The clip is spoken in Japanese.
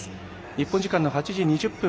日本時間８時２０分